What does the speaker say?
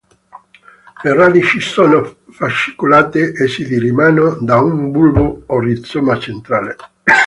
Le radici sono fascicolate e si diramano da un bulbo o rizoma centrale.